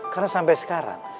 karena sampai sekarang